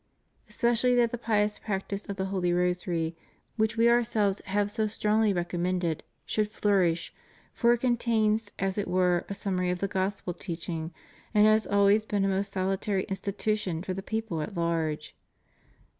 Especially that the pious practice of the Holy Rosary, which We Ourselves have so strongly recom mended, should flourish, for it contains as it were a simi mary of the Gospel teaching, and has always been a most salutary institution for the people at large.